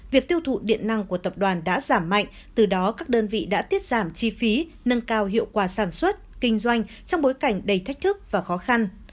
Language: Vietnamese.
việc tiêu thụ điện năng của tập đoàn đã giảm mạnh từ đó các đơn vị đã tiết giảm chi phí nâng cao hiệu quả sản xuất kinh doanh trong bối cảnh đầy thách thức và khó khăn